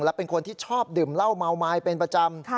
และเป็นคนที่ชอบดื่มเหล้าเมาไม้เป็นประจำ